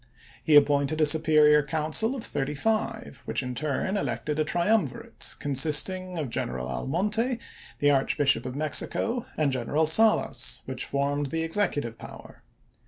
He appointed a superior council of thirty five, which in turn elected a triumvirate, consisting of General Almonte, the Archbishop of Mexico, and General Salas, which formed the ex ecutive power.